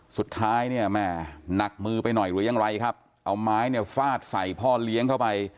สุดท้ายเนี่ยแม่หนักมือไปหน่อยหรือยังไรครับเอาไม้เนี่ยฟาดใส่พ่อเลี้ยงเข้าไป